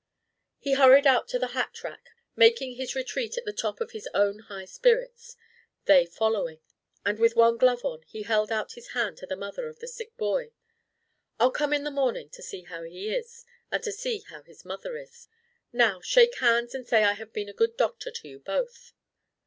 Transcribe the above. He hurried out to the hat rack, making his retreat at the top of his own high spirits, they following; and with one glove on he held out his hand to the mother of the sick boy: "I'll come in the morning to see how he is and to see how his mother is. Now shake hands and say I have been a good doctor to you both."